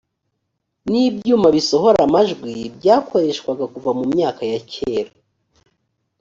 n ibyuma bisohora amajwi byakoreshwaga kuva mu myaka ya kera